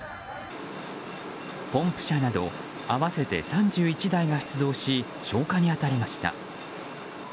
ポンプ車など合わせて３１台が出動し消火に当たりました。